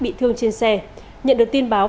bị thương trên xe nhận được tin báo